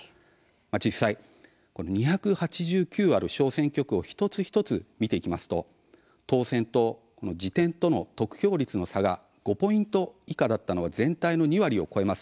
実際２８９ある小選挙区を一つ一つ見ていきますと当選と次点との得票率の差が５ポイント以下だったのは全体の２割を超えます。